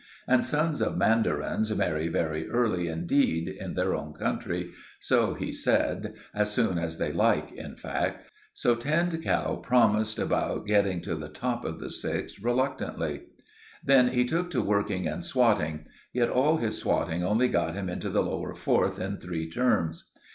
And sons of mandarins marry very early indeed in their own country, so he said—as soon as they like, in fact—so Tinned Cow promised about getting to the top of the sixth reluctantly. Then he took to working and swatting; yet all his swatting only got him into the lower fourth in three terms.